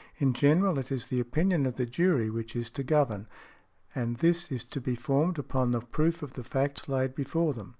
... In general it is the opinion of the jury which is to govern, and this is to be formed upon the |109| proof of the facts laid before them.